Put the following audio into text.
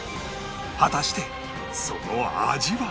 果たしてその味は？